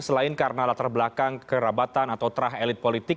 selain karena latar belakang kerabatan atau terah elit politik